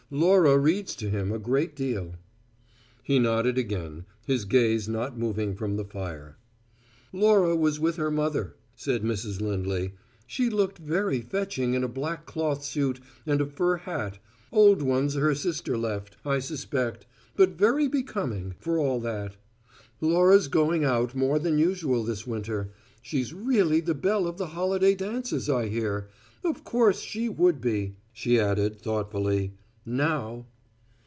Laura reads to him a great deal." He nodded again, his gaze not moving from the fire. "Laura was with her mother," said Mrs. Lindley. "She looked very fetching in a black cloth suit and a fur hat old ones her sister left, I suspect, but very becoming, for all that. Laura's `going out' more than usual this winter. She's really the belle of the holiday dances, I hear. Of course she would be", she added, thoughtfully "now."